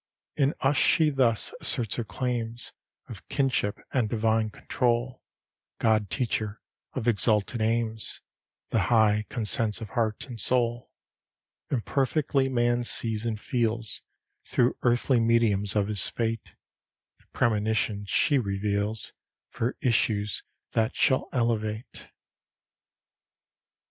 In us she thus asserts her claims Of kinship and divine control; God teacher of exalted aims, The high consents of heart and soul: Imperfectly man sees and feels, Through earthly mediums of his fate, The premonitions she reveals For issues that shall elevate.